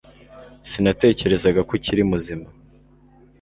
Sinatekerezaga ko ukiri muzima